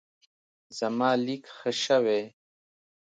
زما لیک ښه شوی.